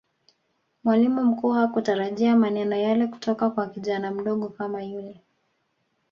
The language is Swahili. mwalimu mkuu hakutarajia maneno yale kutoka kwa kijana mdogo kama yule